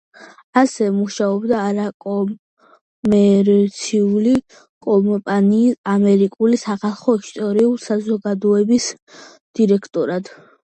ასევე მუშაობდა არაკომერციული კომპანიის, ამერიკული სახალხო ისტორიული საზოგადოების დირექტორად.